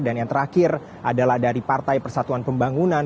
dan yang terakhir adalah dari partai persatuan pembangunan